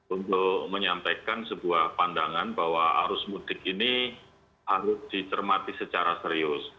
untuk menyampaikan sebuah pandangan bahwa arus mudik ini harus dicermati secara serius